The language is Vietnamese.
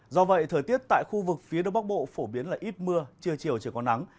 do vậy thời tiết tại khu vực phía đông bắc bộ phổ biến là ít mưa trưa chiều trời có nắng